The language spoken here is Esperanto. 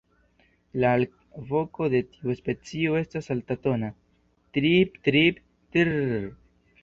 La alvoko de tiu specio estas altatona "triiip-triip-trrrrrr".